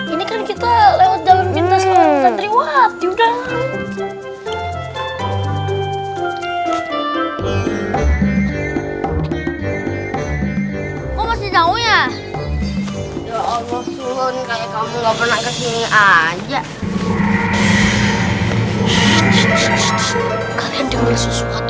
ini kan kita lewat jalan pintas ke lorong santriwati